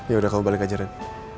ya udah kamu balik aja rin